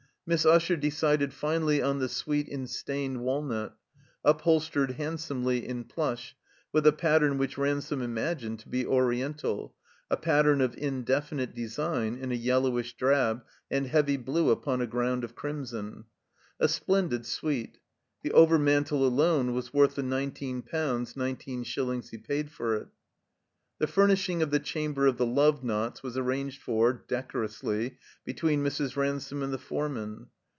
Miss Usher decided finally on the suite in stained walnut, upholstered handsomely in plush, with a pattern which Ransome imagined to be Oriental, a pattern of indefinite design in a yellowish drab and heavy blue upon a groimd of crimson. A splendid state. The overmantle alone was worth the nineteen poimds nineteen shillings he paid for it. The furnishing of the chamber of the love knots was arranged for, decorously, between Mrs. Ran some and the foreman.